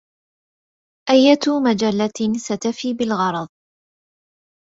أيّةُ مجلّةٍ ستفي بالغرض.